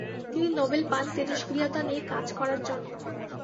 তিনি নোবেল পান তেজষ্ক্রিয়তা নিয়ে কাজ করার জন্য।